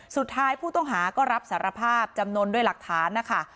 สุดท้ายผู้ต้องหาก็รับสารภาพจำนวนด้วยหลักฐานนะคะ